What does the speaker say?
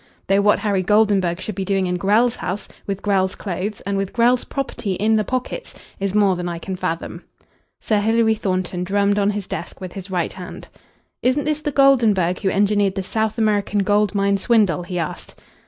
Though what Harry Goldenburg should be doing in Grell's house, with Grell's clothes, and with Grell's property in the pockets, is more than I can fathom." Sir Hilary Thornton drummed on his desk with his right hand. "Isn't this the Goldenburg who engineered the South American gold mine swindle?" he asked.